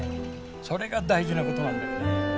それが大事なことなんだよね。